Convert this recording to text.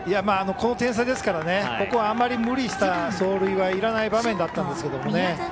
この点差ですからここはあまり無理した走塁はいらない場面だったんですけどね。